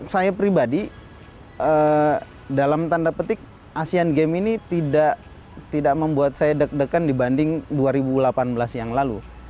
saya pribadi dalam tanda petik asean games ini tidak membuat saya deg degan dibanding dua ribu delapan belas yang lalu